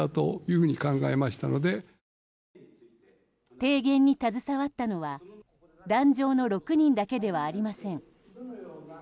提言に携わったのは壇上の６人だけではありません。